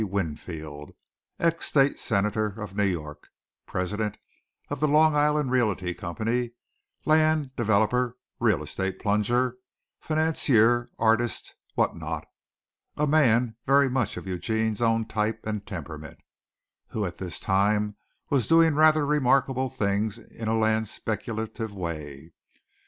Winfield, Ex State Senator of New York, President of the Long Island Realty Company, land developer, real estate plunger, financier, artist, what not a man very much of Eugene's own type and temperament, who at this time was doing rather remarkable things in a land speculative way.